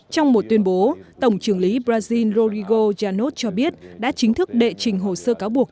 trong một tuyên bố tổng trưởng lý brazil rodrigo yanov cho biết đã chính thức đệ trình hồ sơ cáo buộc